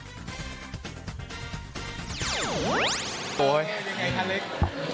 โอ้โฮเห้ยยังไงค่ะเล็กซ์